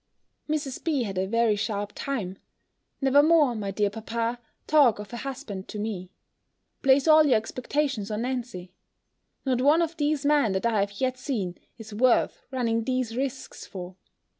Mrs. B. had a very sharp time. Never more, my dear papa, talk of a husband to me. Place all your expectations on Nancy! Not one of these men that I have yet seen, is worth running these risques for!